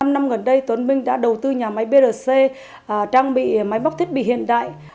năm năm gần đây tuấn minh đã đầu tư nhà máy brc trang bị máy bóc thiết bị hiện đại